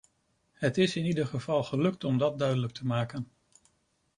Het is in ieder geval gelukt om dat duidelijk te maken.